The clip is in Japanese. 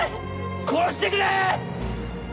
殺してくれ！